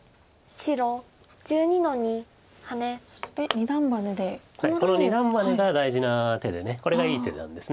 この二段バネが大事な手でこれがいい手なんです。